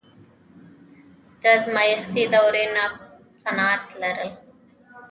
د ازمایښتي دورې نه قناعت لرل.